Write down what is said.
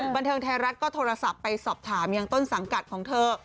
บันเทิงไทยรัฐก็โทรศัพท์ไปสอบถามยังต้นสังกัดของเธอ